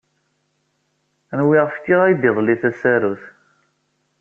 Nwiɣ fkiɣ-ak-d iḍelli tasarut.